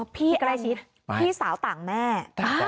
พี่แอมพี่สาวต่างแม่